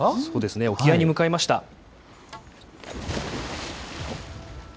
そうですね、沖合に向かいました。